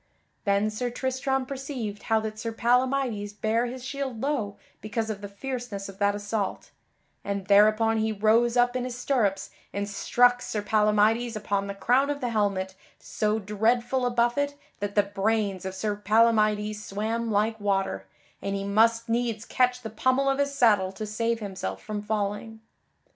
Then Sir Tristram perceived how that Sir Palamydes bare his shield low because of the fierceness of that assault, and thereupon he rose up in his stirrups and struck Sir Palamydes upon the crown of the helmet so dreadful a buffet that the brains of Sir Palamydes swam like water, and he must needs catch the pommel of his saddle to save himself from falling.